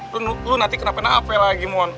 lo nanti kena penafi lagi mon